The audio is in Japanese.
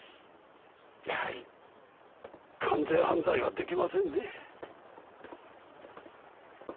やはり完全犯罪は出来ませんね。